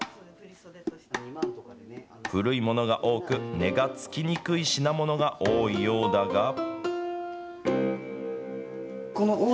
古いものが多く、値がつきにくい品物が多いようだが。